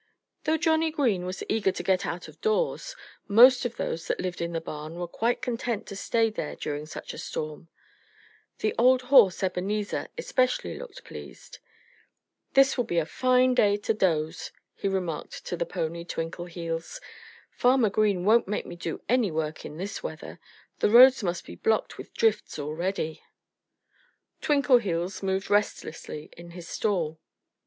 [Illustration: Twinkleheels Talks to the Oxen. (Page 64)] Though Johnnie Green was eager to get out of doors, most of those that lived in the barn were quite content to stay there during such a storm. The old horse Ebenezer especially looked pleased. "This will be a fine day to doze," he remarked to the pony, Twinkleheels. "Farmer Green won't make me do any work in this weather. The roads must be blocked with drifts already." Twinkleheels moved restlessly in his stall.